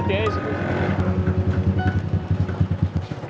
ganti aja disitu aja